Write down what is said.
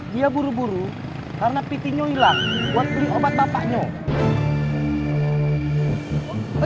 dia buru buru karena pitinho hilang buat beli obat bapaknya